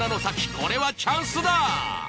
これはチャンスだ！